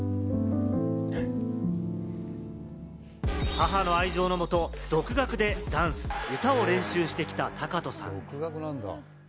母の愛情のもと独学でダンス、歌を練習してきた天翔さん。